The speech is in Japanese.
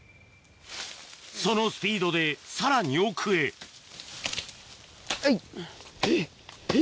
そのスピードでさらに奥へえい！